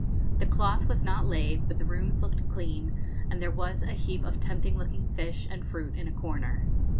The cloth was not laid, but the rooms looked clean, and there was a heap of tempting looking fish and fruit in a corner.